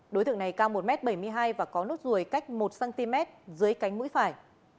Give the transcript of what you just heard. đối tượng này cao một m bảy mươi hai và có nốt ruồi cách một cm dưới cánh mũi phải